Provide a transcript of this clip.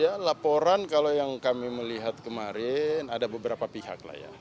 ya laporan kalau yang kami melihat kemarin ada beberapa pihak lah ya